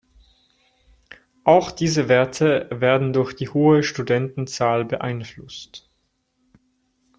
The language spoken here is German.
Auch diese Werte werden durch die hohe Studentenzahl beeinflusst.